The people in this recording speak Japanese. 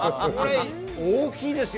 大きいですよ